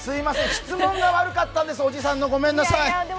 質問が悪かったんです、おじさんの。ごめんなさい。